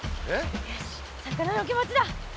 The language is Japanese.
よし魚の気持ちだ。